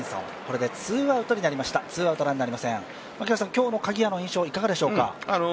今日の鍵谷の印象、いかがでしょうか？